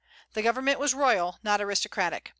The government was royal, not aristocratic.